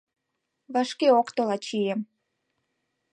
Вашке ок тол ачием.